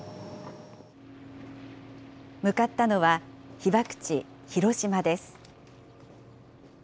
向かったのは、被爆地、広島です。